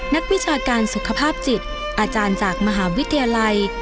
นักวิชาการสุขภาพจิตอาจารย์จากมหาวิทยาลัย